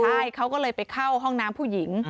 ใช่เขาก็เลยไปเข้าห้องน้ำผู้หญิง